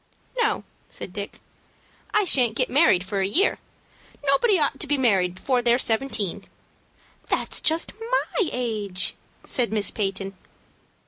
"No," said Dick, "I shan't get married for a year. Nobody ought to be married before they're seventeen." "That's just my age," said Miss Peyton.